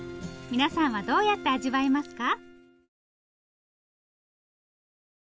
皆さんはどうやって味わいますか？